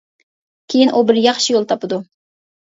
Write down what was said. كېيىن ئۇ بىر ياخشى يول تاپىدۇ.